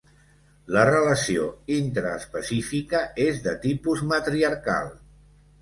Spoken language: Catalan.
La relació intraespecífica és de tipus matriarcal.